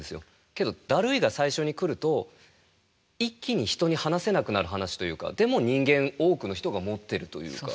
けど「だるい」が最初に来ると一気に人に話せなくなる話というかでも人間多くの人が持ってるというか。